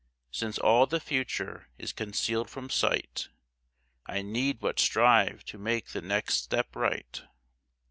Since all the future is concealed from sight I need but strive to make the next step right.